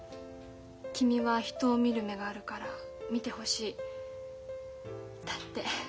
「君は人を見る目があるから見てほしい」だって。